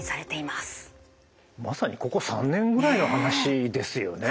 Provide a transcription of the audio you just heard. まさにここ３年ぐらいの話ですよね。